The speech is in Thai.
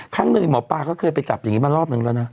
ครั้งหนึ่งหมอปลาเขาเคยไปจับอย่างนี้มารอบนึงแล้วนะ